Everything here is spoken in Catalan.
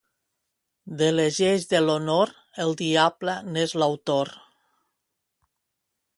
De les lleis de l'honor, el diable n'és l'autor.